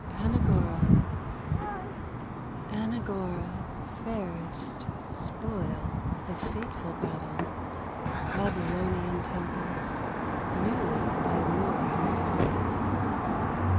ANAGORA Anagora, fairest Spoil of fateful battle, Babylonian temples Knew thy luring song.